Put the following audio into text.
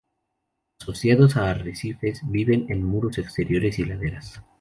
Asociados a arrecifes, viven en muros exteriores y laderas.